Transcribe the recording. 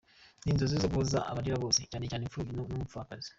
Ni inzozi zo guhoza abarira bose, cyane cyane imfubyi n’umupfakazi.